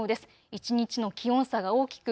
一日の気温差が大きく